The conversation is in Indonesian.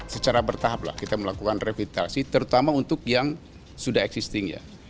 secara bertahap lah kita melakukan revitalisi terutama untuk yang sudah existing ya